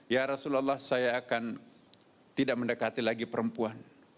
ya rasulullah saya akan tidak mendekati lagi perempuan